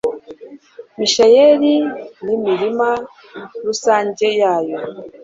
misheyali n'imirima rusange yayo